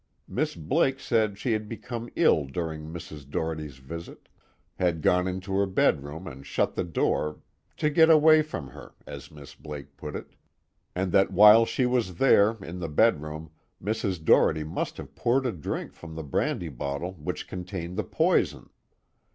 Miss Blake said she had become ill during Mrs. Doherty's visit, had gone into her bedroom and shut the door 'to get away from her,' as Miss Blake put it and that while she was there, in the bedroom, Mrs. Doherty must have poured a drink from the brandy bottle which contained the poison.